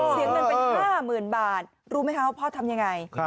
เสียเงินเป็น๕๐๐๐บาทรู้ไหมคะว่าพ่อทำยังไง